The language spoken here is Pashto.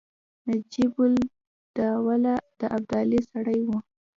نجیب الدوله د ابدالي سړی وو.